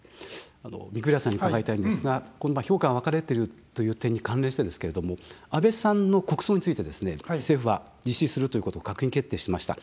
御厨さんに伺いたいんですが評価が分かれてるという点に関連してですけれども安倍さんの国葬についてですね政府は実施するということを閣議決定しました。